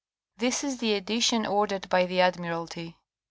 This is the edition ordered by the Admiralty.